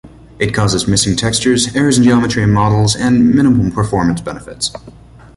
It causes missing textures, errors in geometry and models, and minimal performance benefits.